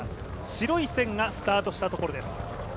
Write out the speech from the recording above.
白い線がスタートしたところです。